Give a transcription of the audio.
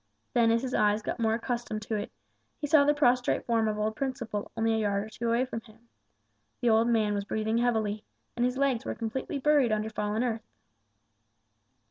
Then as his eyes got more accustomed to it, he saw the prostrate form of old Principle only a yard or two away from him. The old man was breathing heavily, and his legs were completely buried under fallen earth.